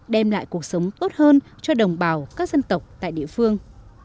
đem lại cuộc sống tốt hơn cho đồng bào các dân tộc tại địa phương